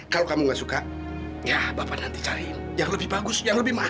kalau kamu gak suka ya bapak nanti cari yang lebih bagus yang lebih mahal